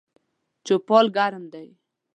چوپال ګرم ده